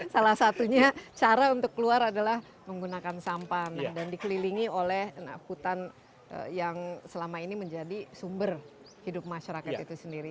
salah satunya cara untuk keluar adalah menggunakan sampan dan dikelilingi oleh hutan yang selama ini menjadi sumber hidup masyarakat itu sendiri